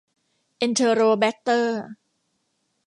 เอนเทอโรแบกเตอร์